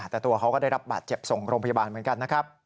แต่ตัวเขาก็ได้รับบาดเจ็บส่งโรงพยาบาลเหมือนกันนะครับ